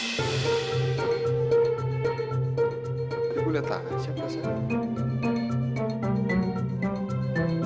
pergulian tengah siap guys